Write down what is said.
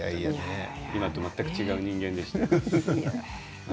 今と全く違う人間でした。